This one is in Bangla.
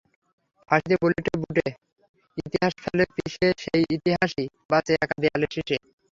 ফাঁসিতে বুলেটে বুটে ইতিহাস ফ্যালে পিষে সেই ইতিহাসই বাঁচে একা দোয়েলের শিসে।